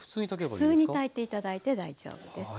普通に炊いて頂いて大丈夫です。